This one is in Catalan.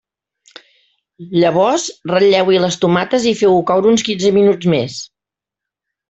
Llavors ratlleu-hi les tomates i feu-ho coure uns quinze minuts més.